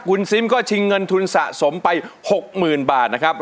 คุณซิมก็ชิงเงินทุนสะสมไป๖๐๐๐บาทนะครับ